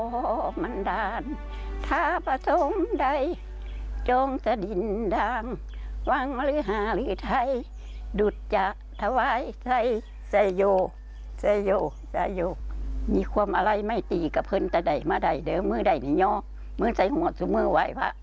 หน้าภารกิจนิยมปราศน์ทรีย์เกียรติภาคเทพภาคธรรมิตร